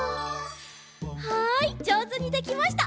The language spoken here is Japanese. はいじょうずにできました！